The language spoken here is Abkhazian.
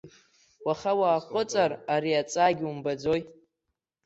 Уаха уааҟәыҵыр, ари аҵаагьы умбаӡои!